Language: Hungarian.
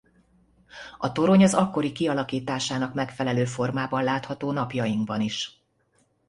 A torony az akkori kialakításának megfelelő formában látható napjainkban is.